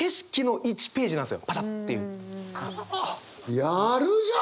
やるじゃん！